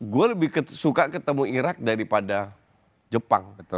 gue lebih suka ketemu irak daripada jepang